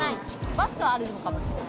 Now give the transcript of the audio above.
バスはあるのかもしれない。